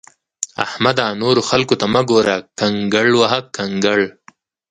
احمده! نورو خلګو ته مه ګوره؛ خپل کنګړ وهه کنکړ!